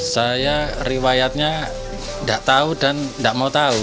saya riwayatnya gak tau dan gak mau tau